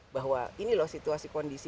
bahwa ini loh situasi kondisi